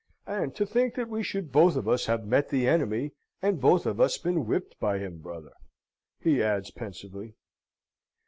"And to think that we should both of us have met the enemy, and both of us been whipped by him, brother!" he adds pensively.